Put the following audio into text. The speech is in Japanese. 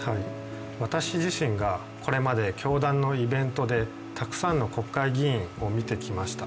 私自身がこれまで教団のイベントでたくさんの国会議員を見てきました。